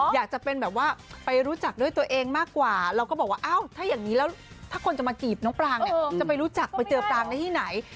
อยากจะเป็นแบบว่าไปรู้จักด้วยตัวเองมากกว่าเราก็บอกว่าอ้าวถ้าอย่างนี้แล้วถ้าคนจะมากจีบน้องปรางเนี่ยจะไปรู้จักไปเจอปรางได้ที่ไหน